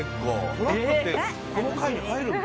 トラックってこの階に入るんだ。